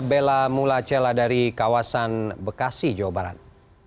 bella mulacela dari kawasan bekasi jawa barat